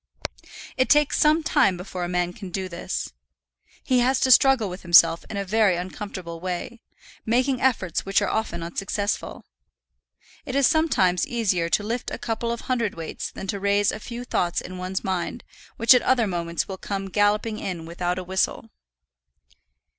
It takes some time before a man can do this. He has to struggle with himself in a very uncomfortable way, making efforts which are often unsuccessful. It is sometimes easier to lift a couple of hundredweights than to raise a few thoughts in one's mind which at other moments will come galloping in without a whistle.